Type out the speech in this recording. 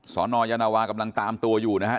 สนยานวากำลังตามตัวอยู่นะฮะ